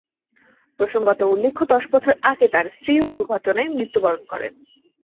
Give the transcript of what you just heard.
প্রসঙ্গত উল্লেখ্য, দশ বছর আগে তাঁর স্ত্রীও দূর্ঘটনায় মৃত্যুবরণ করেন।